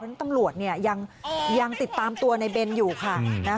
เพราะฉะนั้นตำรวจยังติดตามตัวในเบนอยู่ค่ะ